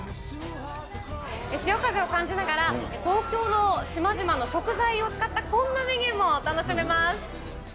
潮風を感じながら、東京の島々の食材を使ったこんなメニューも楽しめます。